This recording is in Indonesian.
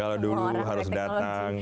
kalau dulu harus datang